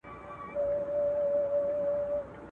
خواره زه وم، په خوار کلي واده وم.